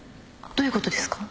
どういうことですか？